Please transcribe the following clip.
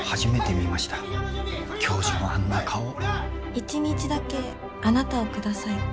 １日だけあなたをください。